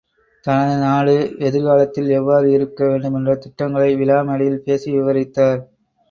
தனது நாடு எதிர்காலத்தில் எவ்வாறு இருக்க வேண்டுமென்ற திட்டங்களை விழா மேடையிலே பேசி விவரித்தார்.